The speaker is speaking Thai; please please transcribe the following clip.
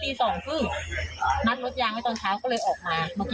แต่ตอนมิ้งเธอเห็นช้างพิ่งใสแล้วก็ก็มิ้งเข้าบ้าง